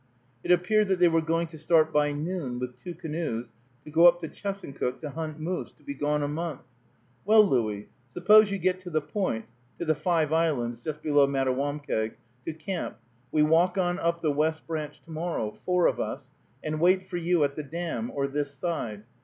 It appeared that they were going to start by noon, with two canoes, to go up to Chesuncook to hunt moose, to be gone a month. "Well, Louis, suppose you get to the Point (to the Five Islands, just below Mattawamkeag) to camp, we walk on up the West Branch tomorrow, four of us, and wait for you at the dam, or this side.